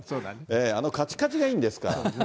あのかちかちがいいんですから。